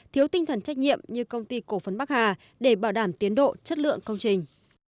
thiếu tinh thần trách nhiệm như công ty cổ phấn bắc hà để bảo đảm tiến độ chất lượng công trình